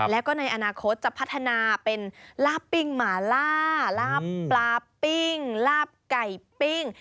แล้วก็ในอนาคตจะพัฒนาเป็นลาบปิ้งหมาล่าลาบปลาปิ้งลาบไก่ปิ้ง